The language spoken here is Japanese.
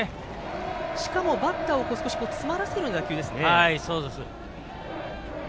しかも、バッターを少し詰まらせるような打球ですね。